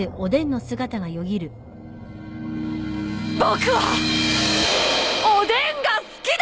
僕はおでんが好きだ！